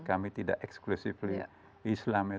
kami tidak exclusively islam ya